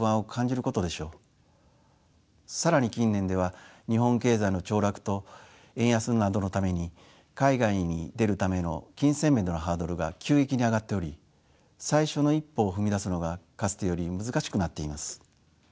更に近年では日本経済の凋落と円安などのために海外に出るための金銭面でのハードルが急激に上がっており最初の一歩を踏み出すのがかつてより難しくなっています。